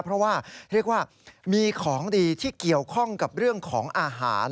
เพราะว่าเรียกว่ามีของดีที่เกี่ยวข้องกับเรื่องของอาหาร